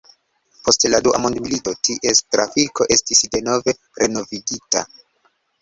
Post la dua mondmilito ties trafiko estis denove renovigita.